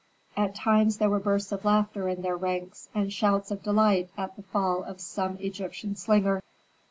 At times there were bursts of laughter in their ranks and shouts of delight at the fall of some Egyptian slinger.